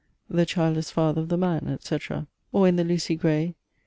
"The Child is father of the Man, etc." Or in the LUCY GRAY?